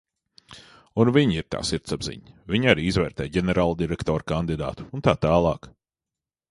Un viņi ir tā sirdsapziņa, viņi arī izvērtē ģenerāldirektora kandidātu un tā tālāk.